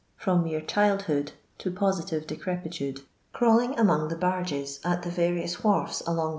from mere childhood to positive decrepitude, crawling among the barges at the ^'arious wharfs alonig.